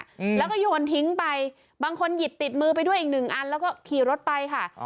อืมแล้วก็โยนทิ้งไปบางคนหยิบติดมือไปด้วยอีกหนึ่งอันแล้วก็ขี่รถไปค่ะอ๋อ